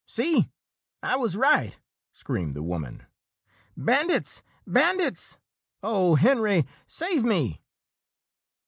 "See, I was right!" screamed the woman. "Bandits! Bandits! Oh, Henry save me!"